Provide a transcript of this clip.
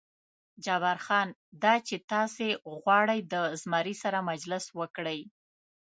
جبار خان: دا چې تاسې غواړئ د زمري سره مجلس وکړئ.